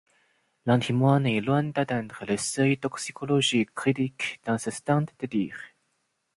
L'antimoine est loin d'atteindre le seuil toxicologique critique dans ce stand de tir.